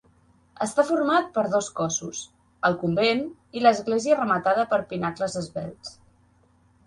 Està format per dos cossos: el convent i l'església rematada per pinacles esvelts.